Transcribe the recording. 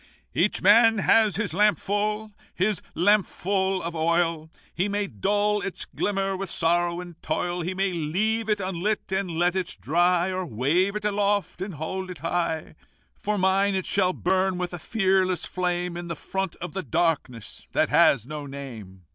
"Each man has his lampful, his lampful of oil; He may dull its glimmer with sorrow and toil; He may leave it unlit, and let it dry, Or wave it aloft, and hold it high: For mine, it shall burn with a fearless flame In the front of the darkness that has no name.